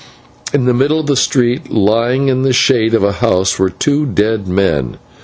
In the middle of the street, lying in the shade of a house, were two dead men.